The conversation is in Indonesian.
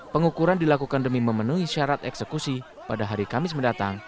pengukuran dilakukan demi memenuhi syarat eksekusi pada hari kamis mendatang